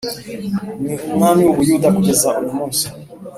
Ni umwami w’u Buyuda kugeza uyu munsi